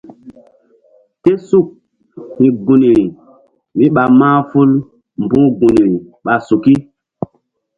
Tésuk hi̧ gunri míɓa mahful mbu̧h gunri ɓa suki.